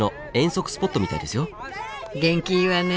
元気いいわね。